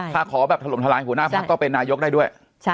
ถ้าขอแบบถล่มทลายหัวหน้าพักก็เป็นนายกได้ด้วย